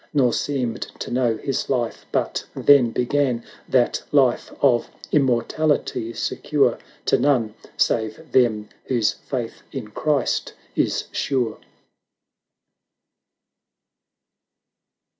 Nor seemed to know his life but then began — That Life of Immortality, secure To none, save them whose faith in Christ is sure.